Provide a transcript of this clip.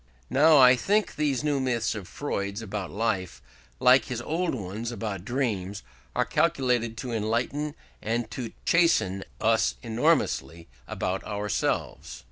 Now I think these new myths of Freud's about life, like his old ones about dreams, are calculated to enlighten and to chasten us enormously about ourselves.